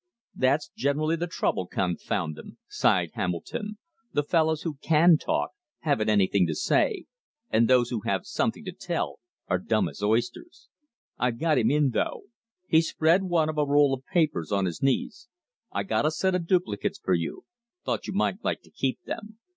"That's generally the trouble, confound 'em," sighed Hamilton. "The fellows who CAN talk haven't anything to say; and those who have something to tell are dumb as oysters. I've got him in though." He spread one of a roll of papers on his knees. "I got a set of duplicates for you. Thought you might like to keep them.